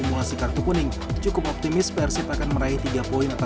ini adalah pertandingan pertama hari jadi tidak susah